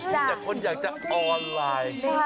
มีแต่คนอยากจะออนไลน์